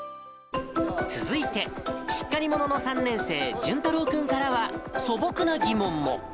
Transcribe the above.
続いてしっかり者の３年生、じゅんたろう君からは、素朴な疑問も。